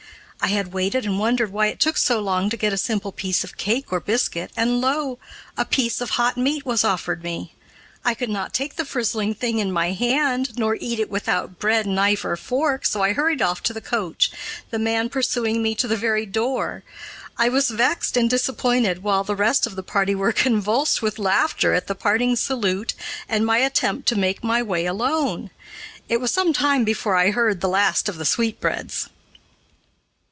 I had waited and wondered why it took so long to get a simple piece of cake or biscuit, and lo! a piece of hot meat was offered me. I could not take the frizzling thing in my hand nor eat it without bread, knife, or fork, so I hurried off to the coach, the man pursuing me to the very door. I was vexed and disappointed, while the rest of the party were convulsed with laughter at the parting salute and my attempt to make my way alone. It was some time before I heard the last of the "sweetbreads."